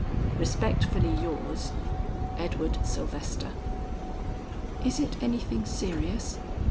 "Respectfully yours, "EDWARD SYLVESTER." "Is it anything serious?"